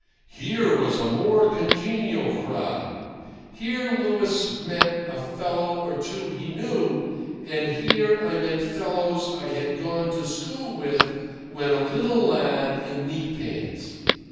Here was a more congenial crowd. Here Louis met a fellow or two he knew, and here I met fellows I had gone to school with when a little lad in knee pants.